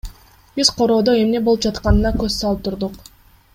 Биз короодо эмне болуп жатканына көз салып турдук.